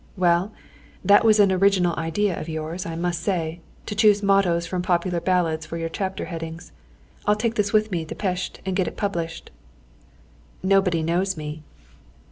"Well, that was an original idea of yours, I must say, to choose mottoes from popular ballads for your chapter headings. I'll take this with me to Pest, and get it published." "Nobody knows me."